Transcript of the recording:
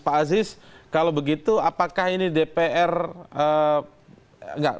pak aziz kalau begitu apakah ini dpr enggak